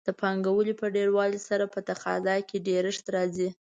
د پانګونې په ډېروالي سره په تقاضا کې ډېرښت راځي.